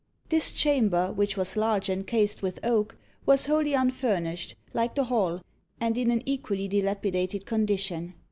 This chamber, which was large and cased with oak, was wholly unfurnished, like the hall, and in an equally dilapidated condition.